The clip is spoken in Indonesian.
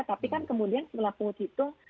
tapi kan kemudian setelah pengut hitung